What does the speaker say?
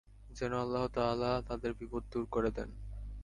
যেন আল্লাহ তাআলা তাদের বিপদ দূর করে দেন।